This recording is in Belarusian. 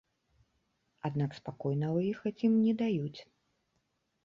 Аднак спакойна выехаць ім не даюць.